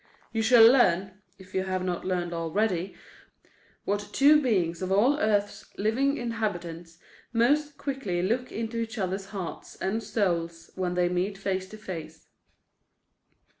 You shall learn (if you have not learned already) what two beings of all earth's living inhabitants most quickly look into each other's hearts and souls when they meet face to face.